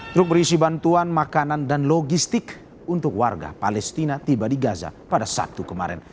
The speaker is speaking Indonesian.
truk berisi bantuan makanan dan logistik untuk warga palestina tiba di gaza pada sabtu kemarin